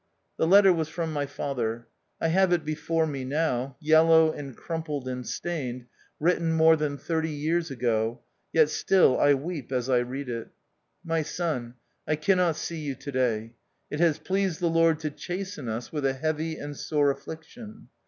The letter was from my father. I have it before me now, yellow and crumpled and stained — written more than thirty years ago — yet still I weep as I read it. "My son, I cannot see you to day. It has pleased the Lord to chasten us with a heavy and sore affliction.